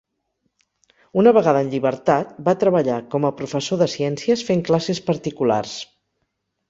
Una vegada en llibertat, va treballar com a professor de ciències fent classes particulars.